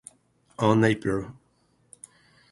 On Apr.